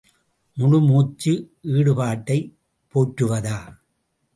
முழு மூச்சு ஈடுபாட்டைப் போற்றுவதா?